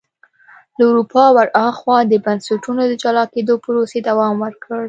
له اروپا ور هاخوا د بنسټونو د جلا کېدو پروسې دوام ورکړ.